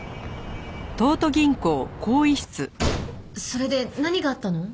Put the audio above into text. それで何があったの？